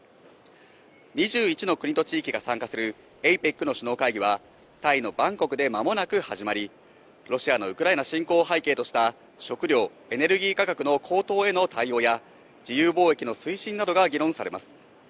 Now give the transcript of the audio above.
２１の国と地域が参加するＡＰＥＣの首脳会議はタイのバンコクで間もなく始まり、ロシアのウクライナ侵攻を背景とした食料・エネルギー価格の高騰への対応や、自由貿易の推進などが議論されます。